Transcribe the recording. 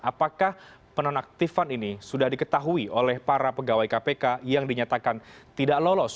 apakah penonaktifan ini sudah diketahui oleh para pegawai kpk yang dinyatakan tidak lolos